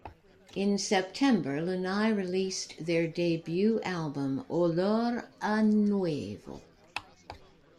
In September, Lunae released their debut album, Olor a Nuevo.